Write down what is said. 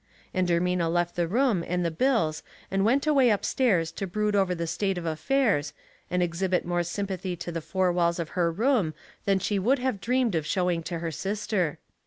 And Ermina lefl the room and the bills and went away up stairs to brood over the state of affairs, and exhibit more sympathy to the four walls of her room than she would have dreamed of showing to her sister.